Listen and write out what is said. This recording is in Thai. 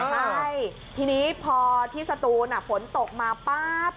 ใช่ทีนี้พอที่สตูนฝนตกมาปั๊บ